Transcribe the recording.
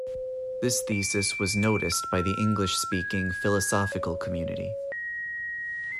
This thesis was noticed by the English-speaking philosophical community.